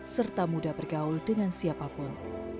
serta mudah bergaul dengan siapapun